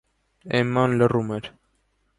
Էմման լռում էր: